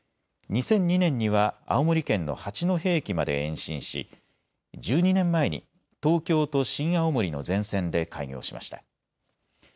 ２００２年には青森県の八戸駅まで延伸し１２年前に東京と新青森の全線で開業しました。